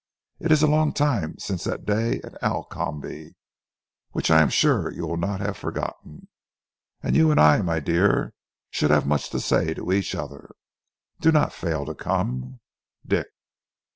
It is a long time since that day at Alcombe, which I am sure you will not have forgotten, and you and I, my dear, should have much to say to each other. Do not fail to come. "Dick...."